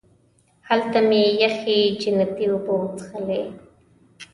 هلته مې یخې جنتي اوبه وڅښلې.